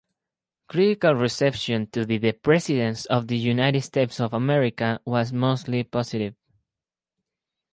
Critical reception to "The Presidents of the United States of America" was mostly positive.